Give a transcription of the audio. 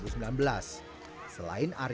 selain area pemerintahan